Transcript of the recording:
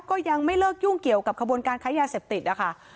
ก็ยังไม่เลิกยุ่งเกี่ยวกับขบวนการค้ายาเสพติดนะคะ